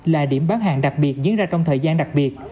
là điểm bán hàng đặc biệt diễn ra trong thời gian đặc biệt